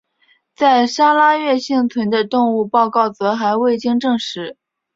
在砂拉越幸存的动物报告则还未经证实。